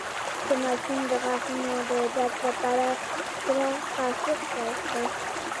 د ماشوم د غاښونو د درد لپاره سړه قاشق ورکړئ